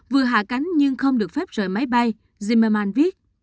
vừa hạ cánh nhưng không được phép rời máy bay zimerman viết